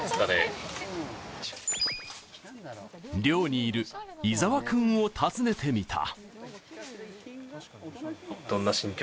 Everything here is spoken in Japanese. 寮にいる井澤君を訪ねてみた。